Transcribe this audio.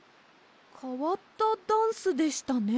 かわったダンスでしたね。